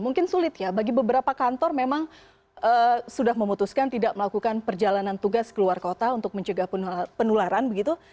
mungkin sulit ya bagi beberapa kantor memang sudah memutuskan tidak melakukan perjalanan tugas keluar kota untuk mencegah penularan begitu